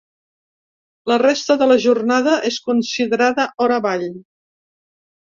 La resta de la jornada és considerada hora vall.